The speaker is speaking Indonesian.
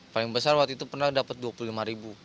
paling besar waktu itu pernah dapat dua puluh lima ribu